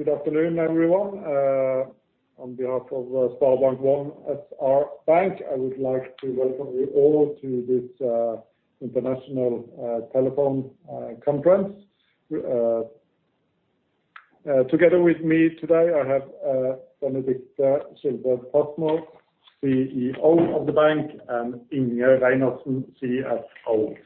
Good afternoon, everyone. On behalf of SpareBank 1 SR-Bank, I would like to welcome you all to this international telephone conference. Together with me today, I have Benedicte Schilbred Fasmer, CEO of the bank, and Inge Reinertsen, CFO.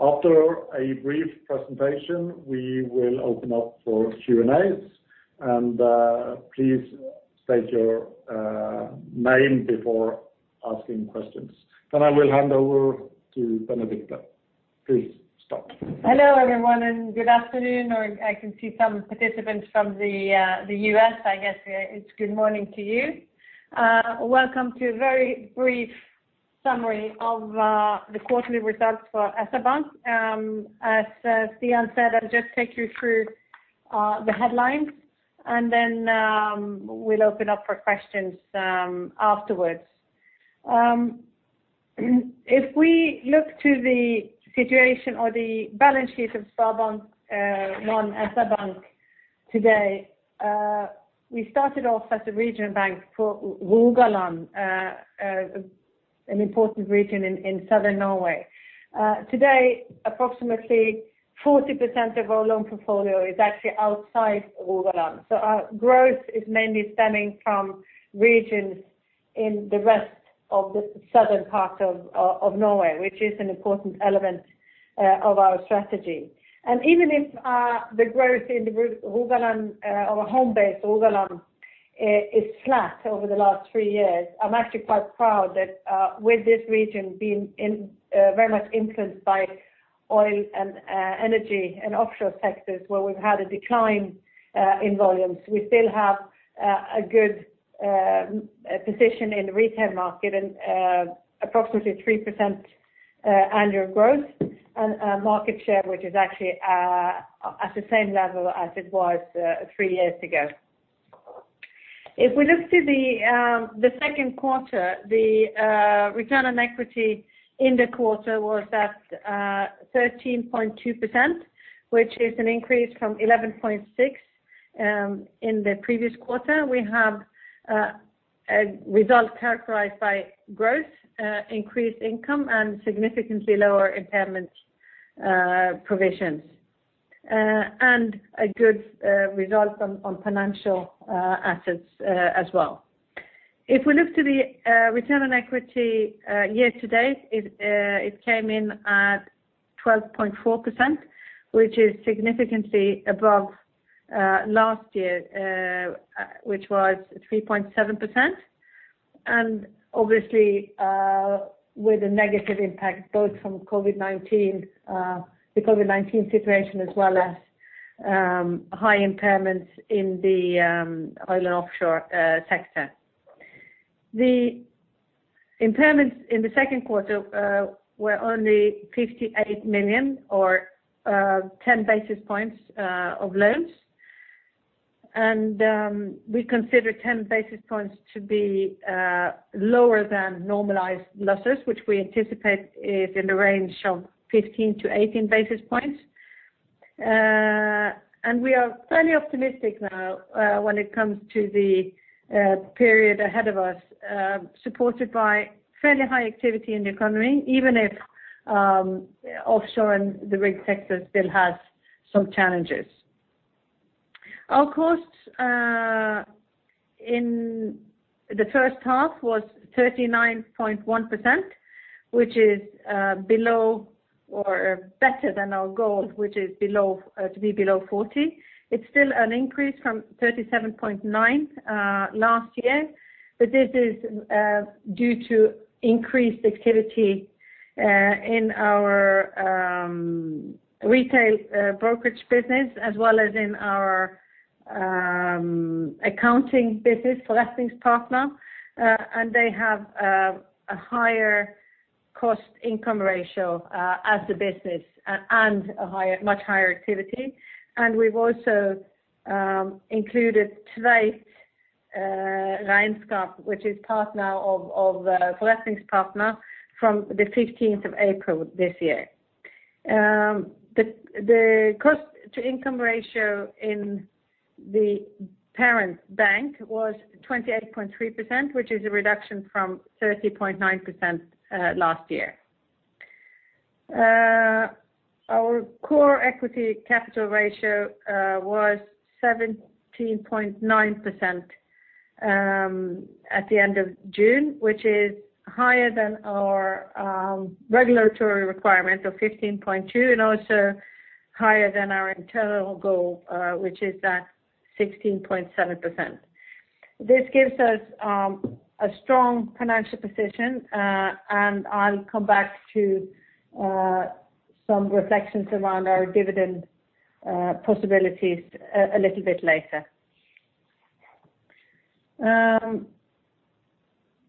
After a brief presentation, we will open up for Q&As, and please state your name before asking questions. Then I will hand over to Benedicte. Please, start. Hello, everyone, and good afternoon, or I can see some participants from the, the US, I guess, it's good morning to you. Welcome to a very brief summary of the quarterly results for SpareBank 1 SR-Bank. As Stian said, I'll just take you through the headlines, and then we'll open up for questions afterwards. If we look to the situation or the balance sheet of SpareBank 1 SR-Bank today, we started off as a regional bank for Rogaland, an important region in southern Norway. Today, approximately 40% of our loan portfolio is actually outside Rogaland. So our growth is mainly stemming from regions in the rest of the southern part of Norway, which is an important element of our strategy. Even if the growth in the Rogaland, our home base, Rogaland, is flat over the last three years, I'm actually quite proud that with this region being in very much influenced by oil and energy and offshore sectors, where we've had a decline in volumes, we still have a good position in the retail market and approximately 3% annual growth and market share, which is actually at the same level as it was three years ago. If we look to the second quarter, the return on equity in the quarter was at 13.2%, which is an increase from 11.6% in the previous quarter. We have a result characterized by growth, increased income, and significantly lower impairment provisions, and a good result on financial assets as well. If we look to the return on equity year to date, it came in at 12.4%, which is significantly above last year, which was 3.7%, and obviously with a negative impact, both from COVID-19, the COVID-19 situation, as well as high impairments in the oil and offshore sector. The impairments in the second quarter were only 58 million or 10 basis points of loans. And we consider 10 basis points to be lower than normalized losses, which we anticipate is in the range of 15-18 basis points. We are fairly optimistic now, when it comes to the period ahead of us, supported by fairly high activity in the economy, even if offshore and the rig sector still has some challenges. Our costs in the first half was 39.1%, which is below or better than our goal, which is below to be below 40. It's still an increase from 37.9% last year, but this is due to increased activity in our retail brokerage business, as well as in our accounting business, Forretningpsartner, and they have a higher cost-to-income ratio as a business and a higher, much higher activity. And we've also included Tveit Regnskap, which is partner of Forretningspartner from the fifteenth of April this year. The cost-to-income ratio in the parent bank was 28.3%, which is a reduction from 30.9% last year. Our core equity capital ratio was 17.9% at the end of June, which is higher than our regulatory requirement of 15.2%, and also higher than our internal goal, which is at 16.7%. This gives us a strong financial position, and I'll come back to some reflections around our dividend possibilities a little bit later.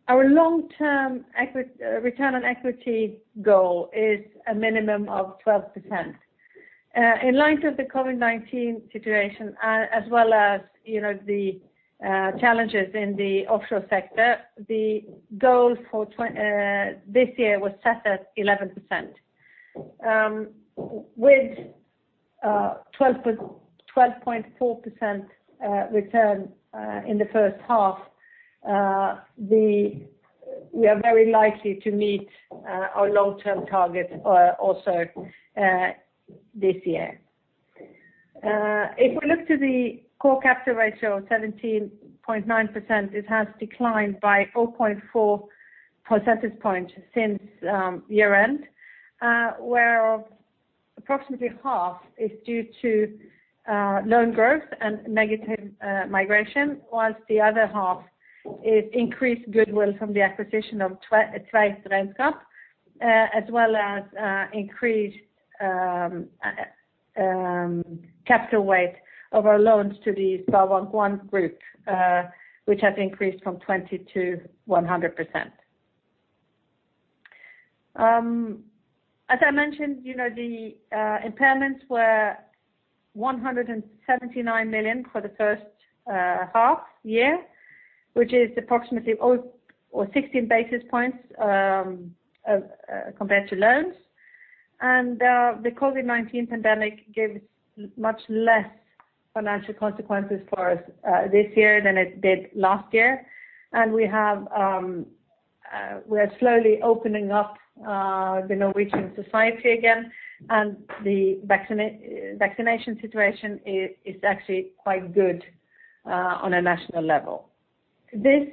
Our long-term equity return on equity goal is a minimum of 12%. In light of the COVID-19 situation, as well as, you know, the challenges in the offshore sector, the goal for this year was set at 11%. With-... 12.4% return in the first half, the, we are very likely to meet our long-term target also this year. If we look to the core capital ratio of 17.9%, it has declined by 4.4 percentage points since year-end. Where approximately half is due to loan growth and negative migration, while the other half is increased goodwill from the acquisition of Tveit Regnskap, as well as increased capital weight of our loans to the SpareBank 1 Gruppen, which has increased from 20% to 100%. As I mentioned, you know, the impairments were 179 million for the first half year, which is approximately 0.16 basis points compared to loans. The COVID-19 pandemic gave much less financial consequences for us this year than it did last year. We are slowly opening up the Norwegian society again, and the vaccination situation is actually quite good on a national level. This,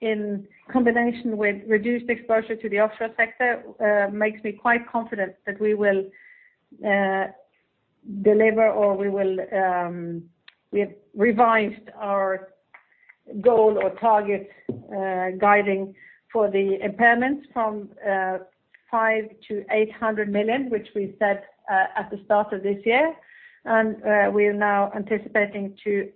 in combination with reduced exposure to the offshore sector, makes me quite confident that we will deliver or we have revised our goal or target guiding for the impairments from 500-800 million, which we set at the start of this year. We are now anticipating to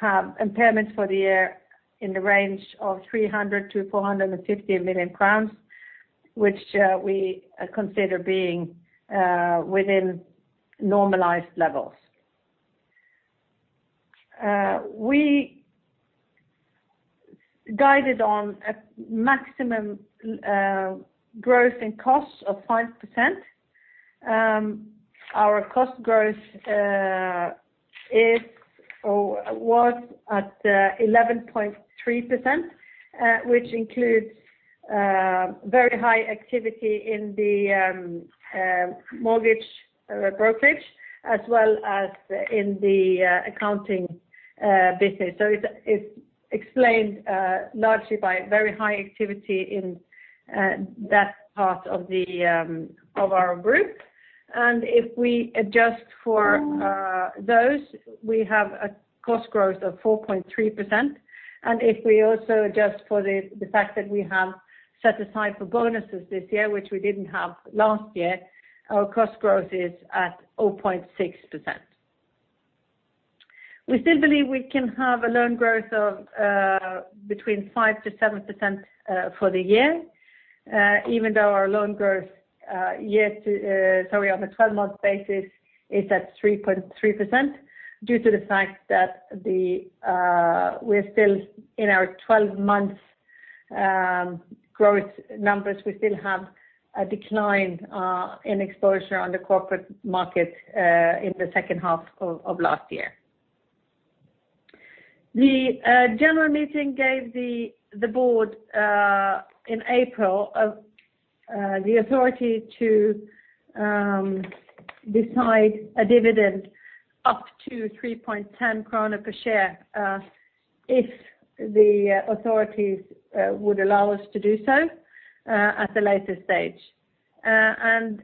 have impairments for the year in the range of 300-450 million crowns, which we consider being within normalized levels. We guided on a maximum growth in costs of 5%. Our cost growth is, or was at, 11.3%, which includes very high activity in the mortgage brokerage, as well as in the accounting business. So it's explained largely by very high activity in that part of our group. And if we adjust for those, we have a cost growth of 4.3%. And if we also adjust for the fact that we have set aside for bonuses this year, which we didn't have last year, our cost growth is at 0.6%. We still believe we can have a loan growth of between 5%-7% for the year, even though our loan growth year to, sorry, on a 12-month basis is at 3.3%, due to the fact that the, we're still in our 12 months growth numbers, we still have a decline in exposure on the corporate market in the second half of last year. The general meeting gave the the board in April the authority to decide a dividend up to 3.10 krone per share, if the authorities would allow us to do so at a later stage. And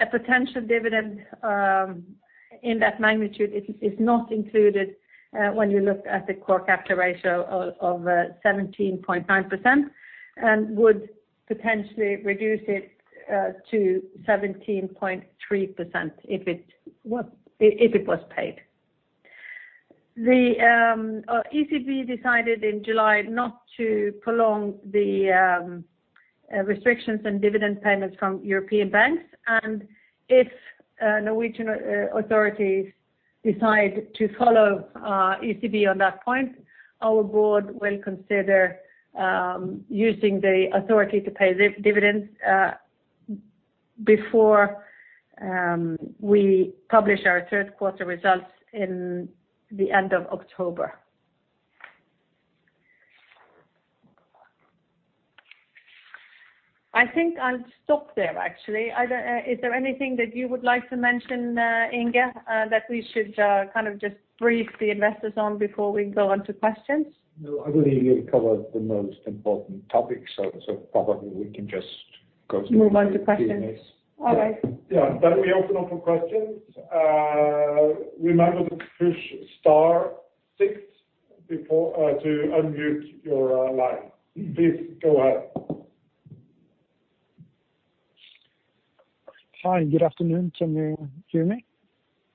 a potential dividend in that magnitude is not included when you look at the core capital ratio of 17.9%, and would potentially reduce it to 17.3% if it was paid. The ECB decided in July not to prolong the restrictions on dividend payments from European banks, and if Norwegian authorities decide to follow ECB on that point, our board will consider using the authority to pay dividends before we publish our third quarter results in the end of October. I think I'll stop there, actually. I don't... Is there anything that you would like to mention, Inge, that we should kind of just brief the investors on before we go on to questions? No, I believe you covered the most important topics, so probably we can just go to- Move on to questions. Q&A. All right. Yeah. Then we open up for questions. Remember to push star six before to unmute your line. Please go ahead. Hi, good afternoon. Can you hear me?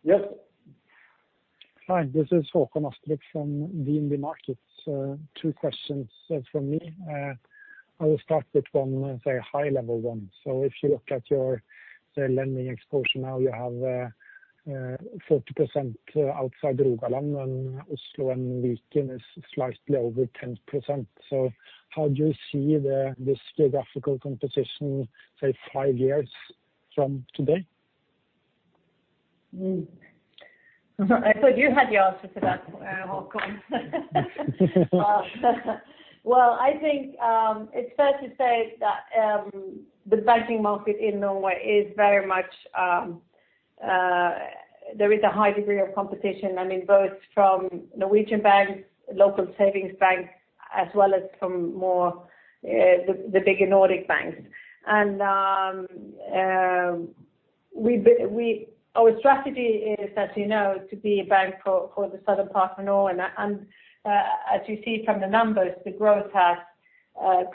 Yes. Hi, this is Håkon Astrup from DNB Markets. Two questions from me. I will start with one, say, high level one. So if you look at your, say, lending exposure, now you have 40% outside Rogaland, and Oslo and Viken is slightly over 10%. So how do you see the, this geographical composition, say, 5 years from today?... Mm-hmm. I thought you had the answer to that, Håkon. Well, I think, it's fair to say that, the banking market in Norway is very much, there is a high degree of competition, I mean, both from Norwegian banks, local savings banks, as well as from more, the bigger Nordic banks. And, our strategy is, as you know, to be a bank for, for the southern part of Norway. And, and, as you see from the numbers, the growth has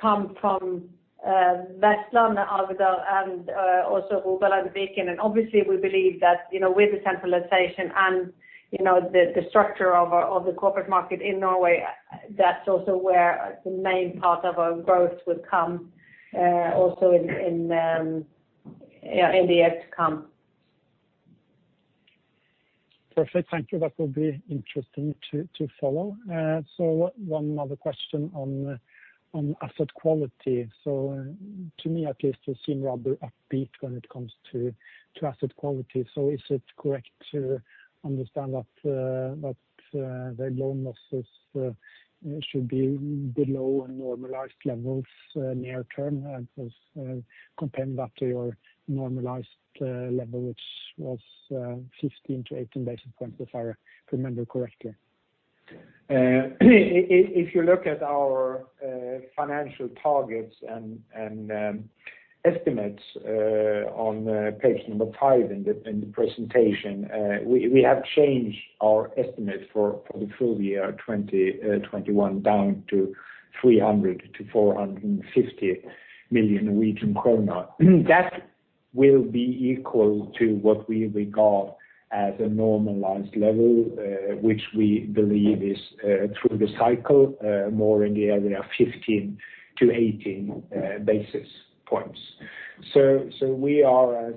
come from Vestlandet, Agder, and also Rogaland and Viken. Obviously, we believe that, you know, with the centralization and, you know, the structure of the corporate market in Norway, that's also where the main part of our growth will come, also in the years to come. Perfect. Thank you. That will be interesting to follow. So one other question on asset quality. So, to me, at least, you seem rather upbeat when it comes to asset quality, so is it correct to understand that the loan losses should be below normalized levels near term, as comparing that to your normalized level, which was 15-18 basis points, if I remember correctly? If you look at our financial targets and estimates on page 5 in the presentation, we have changed our estimates for the full year 2021 down to 300 million-450 million Norwegian krone. That will be equal to what we regard as a normalized level, which we believe is through the cycle more in the area of 15-18 basis points. So we are, as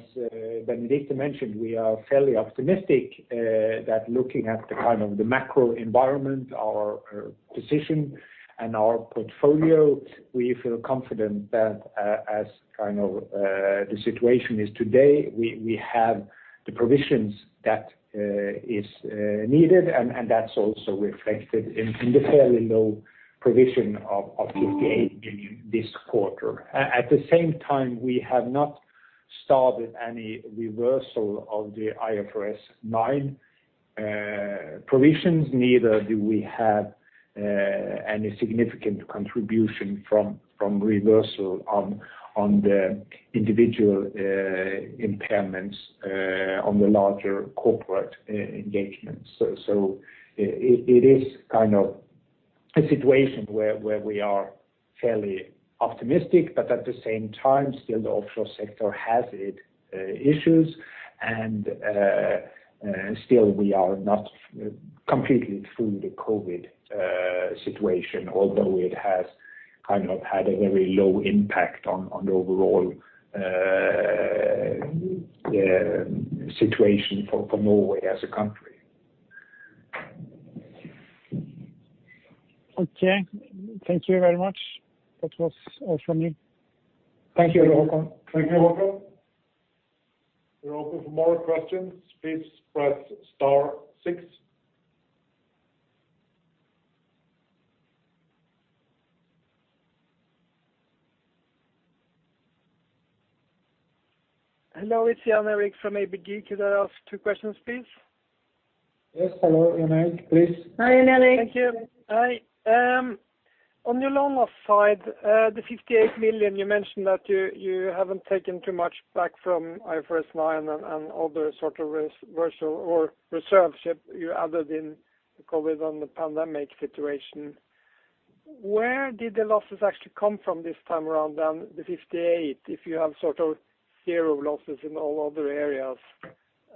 Benedicte mentioned, we are fairly optimistic that looking at the kind of the macro environment, our position and our portfolio, we feel confident that, as kind of the situation is today, we have the provisions that is needed, and that's also reflected in the fairly low provision of 58 million this quarter. At the same time, we have not started any reversal of the IFRS 9 provisions, neither do we have any significant contribution from reversal on the individual impairments on the larger corporate engagements. So, it is kind of a situation where we are fairly optimistic, but at the same time, still the offshore sector has its issues, and still we are not completely through the COVID situation, although it has kind of had a very low impact on the overall situation for Norway as a country. Okay. Thank you very much. That was all from me. Thank you, Håkon. Thank you, Håkon. We're open for more questions. Please press star six. Hello, it's Jan Erik Gjerland from ABG. Could I ask two questions, please? Yes. Hello, Jan Erik, please. Hi, Jan Eric. Thank you. Hi, on your loan loss side, the 58 million, you mentioned that you haven't taken too much back from IFRS 9 and other sort of reversal or reserves that you added in the COVID on the pandemic situation. Where did the losses actually come from this time around, the 58 million, if you have sort of zero losses in all other areas?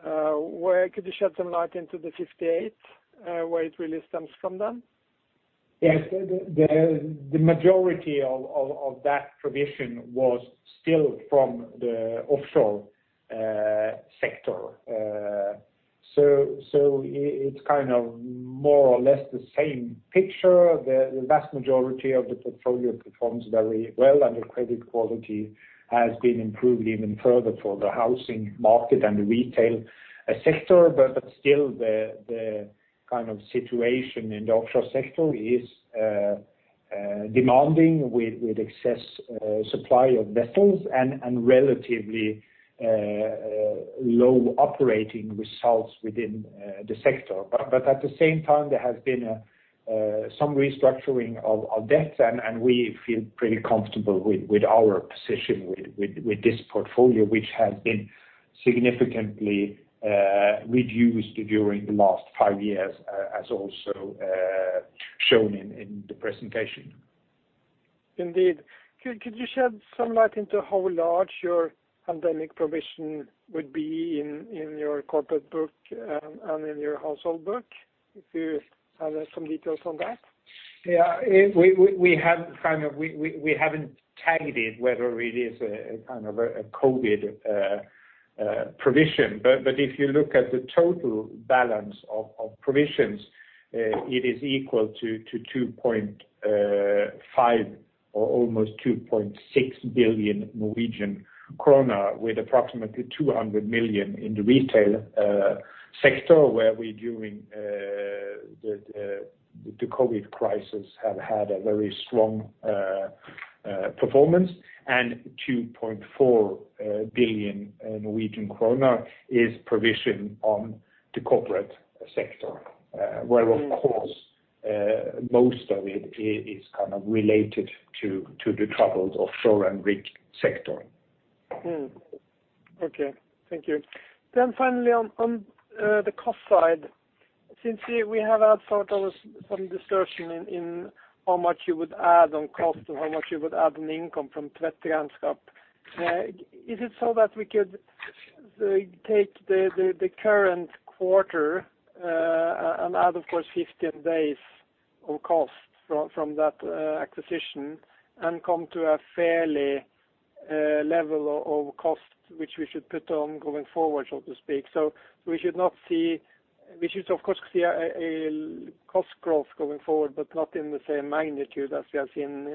Where could you shed some light into the 58 million, where it really stems from then? Yes. The majority of that provision was still from the offshore sector. So it's kind of more or less the same picture. The vast majority of the portfolio performs very well, and the credit quality has been improved even further for the housing market and the retail sector. But still, the kind of situation in the offshore sector is demanding with excess supply of vessels and relatively low operating results within the sector. But at the same time, there has been some restructuring of debts, and we feel pretty comfortable with our position with this portfolio, which has been significantly reduced during the last five years, as also shown in the presentation. Indeed. Could you shed some light into how large your pandemic provision would be in your corporate book and in your household book? If you have some details on that. Yeah, it, we have kind of. We haven't tagged it, whether it is a kind of a COVID provision. But if you look at the total balance of provisions, it is equal to 2.5, or almost 2.6 billion Norwegian kroner, with approximately 200 million in the retail sector, where we, during the Covid crisis, have had a very strong performance. And 2.4 billion Norwegian kroner is provision on the corporate sector, where, of course, most of it is kind of related to the troubles of shore and rig sector. Hmm. Okay, thank you. Then finally, on the cost side, since we have had sort of some distortion in how much you would add on cost and how much you would add on income from Tveit Regnskap. Is it so that we could take the current quarter and add, of course, 15 days of cost from that acquisition, and come to a fairly level of cost, which we should put on going forward, so to speak? So we should not see—We should, of course, see a cost growth going forward, but not in the same magnitude as we have seen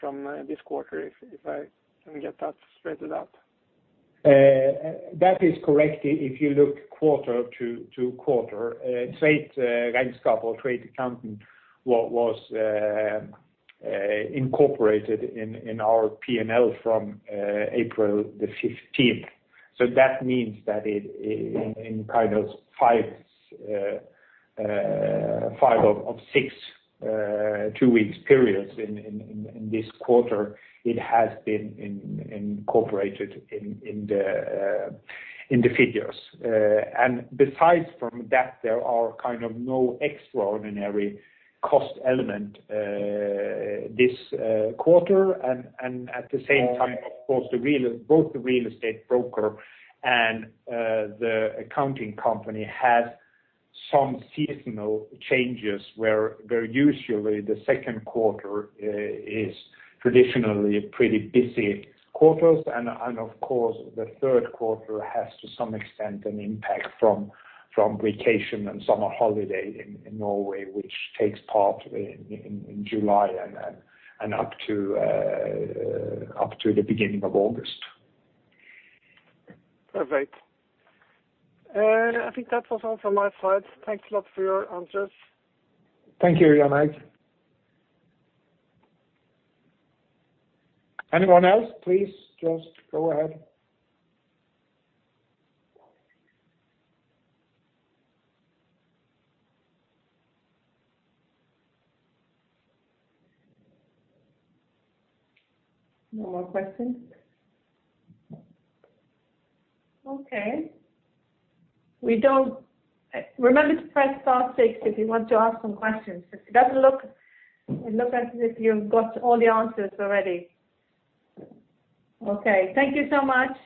from this quarter, if I can get that straightened out. That is correct. If you look quarter-to-quarter, Tveit Regnskap or Tveit Accounting, what was incorporated in our PNL from April the fifteenth. So that means that it, in kind of five of six two-week periods in this quarter, it has been incorporated in the figures. And besides from that, there are kind of no extraordinary cost element this quarter. And at the same time, of course, the real estate broker and the accounting company had some seasonal changes, where usually the second quarter is traditionally pretty busy quarters. Of course, the third quarter has, to some extent, an impact from vacation and summer holiday in Norway, which takes part in July and then up to the beginning of August. Perfect. I think that was all from my side. Thanks a lot for your answers. Thank you, Jan Erik. Anyone else? Please, just go ahead. No more questions. Okay. We don't... remember to press star six, if you want to ask some questions. It doesn't look, it look as if you've got all the answers already. Okay, thank you so much,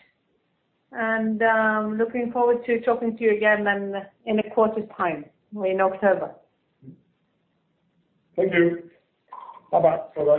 and looking forward to talking to you again then, in a quarter's time, in October. Thank you. Bye-bye. Bye-bye.